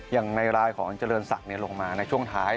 อย่างในรายของเจริญศักดิ์ลงมาในช่วงท้าย